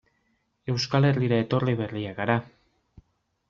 Euskal Herrira etorri berriak gara.